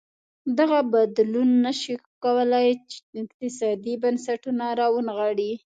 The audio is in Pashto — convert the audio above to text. دغه بدلون نه ش وای کولی اقتصادي بنسټونه راونغاړي.